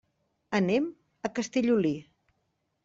Anem a Castellolí.